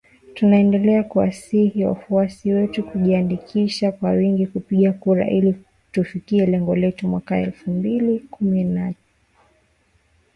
Tunaendelea kuwasihi wafuasi wetu kujiandikisha kwa wingi kupiga kura ili tufikie lengo letu, mwaka elfu mbili na ishirini na tatu ushindi wa kishindo!!